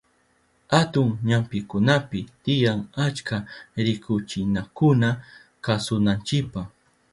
Atun ñampikunapi tiyan achka rikuchinakuna kasunanchipa.